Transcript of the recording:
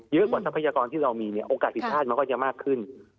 เยอะกว่าพยากรณ์ที่เรามีเนี่ยโอกาสิศาจก็จะมากขึ้น